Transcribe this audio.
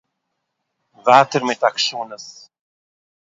ווייטער מיט עקשנות